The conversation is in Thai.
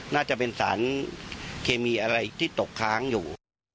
น่าจะเป็นสารเคมีอะไรที่ตกค้างอยู่